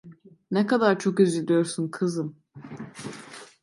Ne kadar çok üzülüyorsun kızım!